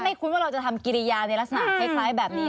คุ้นว่าเราจะทำกิริยาในลักษณะคล้ายแบบนี้